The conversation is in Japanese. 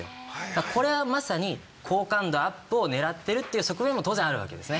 これはまさに好感度アップを狙ってるっていう側面も当然あるわけですね。